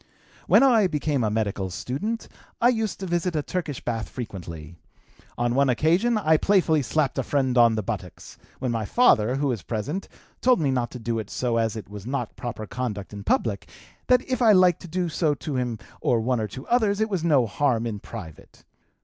"When I became a medical student, I used to visit a Turkish bath frequently; on one occasion I playfully slapped a friend on the buttocks, when my father, who was present, told me not to do so as it was not proper conduct in public, that if I liked to do so to him or one or two others it was no harm in private.